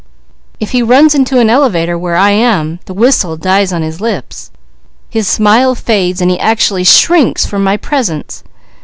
If he runs into an elevator where I am, the whistle dies on his lips; his smile fades and he actually shrinks from my presence.